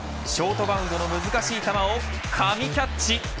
ショートバウンドの難しい球を神キャッチ。